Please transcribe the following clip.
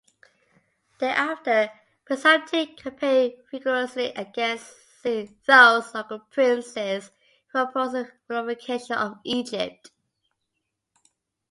Thereafter, Psamtik campaigned vigorously against those local princes who opposed his reunification of Egypt.